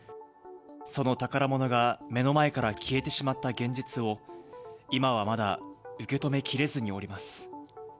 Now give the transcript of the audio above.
その宝物が目の前から消えてしまった現実を、今はまだ受け止めきれずにおります。